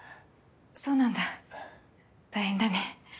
そうなんだ大変だね。